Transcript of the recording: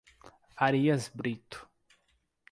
Farias Brito